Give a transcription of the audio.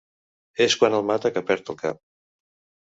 És quan el mata que perd el cap.